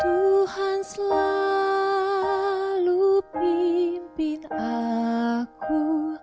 tuhan selalu pimpin aku